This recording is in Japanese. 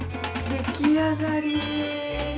出来上がりです。